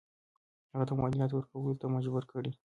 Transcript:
هغه د مالیاتو ورکولو ته مجبور کړي.